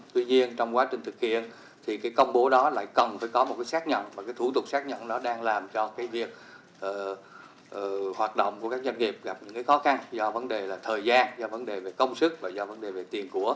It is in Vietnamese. tuy nhiên trong quá trình thực hiện thì cái công bố đó lại cần phải có một cái xác nhận và cái thủ tục xác nhận nó đang làm cho cái việc hoạt động của các doanh nghiệp gặp những khó khăn do vấn đề là thời gian do vấn đề về công sức và do vấn đề về tiền của